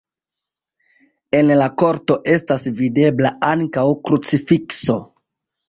En la korto estas videbla ankaŭ krucifikso.